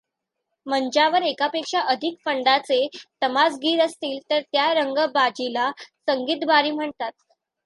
मंचावर एकापेक्षा अधिक फडांचे तमासगीर असतील तर त्या रंगबाजीला संगीतबारी म्हणतात.